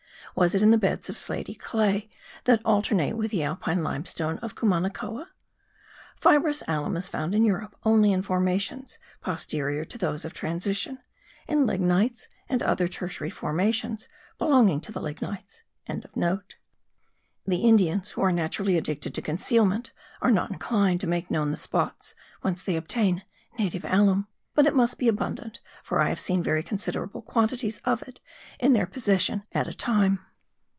Was it in the beds of slaty clay that alternate with the alpine limestone of Cumanacoa? Fibrous alum is found in Europe only in formations posterior to those of transition, in lignites and other tertiary formations belonging to the lignites.) The Indians, who are naturally addicted to concealment, are not inclined to make known the spots whence they obtain native alum; but it must be abundant, for I have seen very considerable quantities of it in their possession at a time.